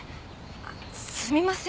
あっすみません。